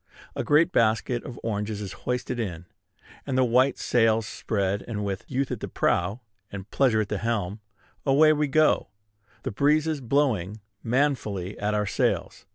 A great basket of oranges is hoisted in, and the white sails spread; and with "Youth at the prow, and Pleasure at the helm," away we go, the breezes blowing manfully at our sails.